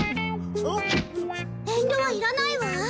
遠慮はいらないわ。